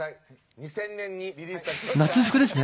２０００年にリリースされました。